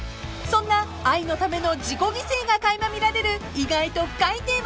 ［そんな愛のための自己犠牲が垣間見られる意外と深いテーマです］